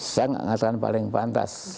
saya nggak mengatakan paling pantas